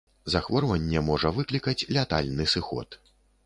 Захворванне можа выклікаць лятальны сыход.